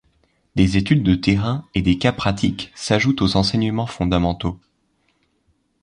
Des études de terrain et des cas pratiques s'ajoutent aux enseignements fondamentaux.